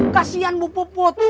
kasian bu puput